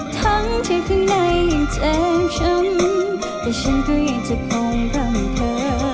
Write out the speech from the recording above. ทั้งที่ข้างในอย่างเธอช้ำแต่ฉันก็ยังจะคอยร่ำเธอ